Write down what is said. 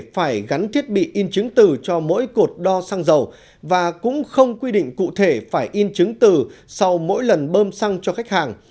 phải gắn thiết bị in chứng từ cho mỗi cột đo xăng dầu và cũng không quy định cụ thể phải in chứng từ sau mỗi lần bơm xăng cho khách hàng